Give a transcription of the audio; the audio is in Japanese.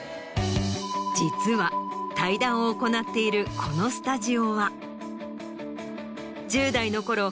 実は対談を行っているこのスタジオは１０代のころ